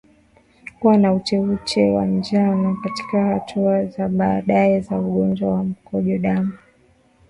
Kuwa na uteute wa njano katika hatua za baadaye za ugonjwa wa mkojo damu